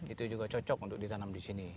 itu juga cocok untuk ditanam di sini